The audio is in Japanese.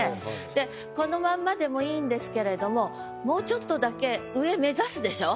でこのまんまでもいいんですけれどももうちょっとだけ上目指すでしょ？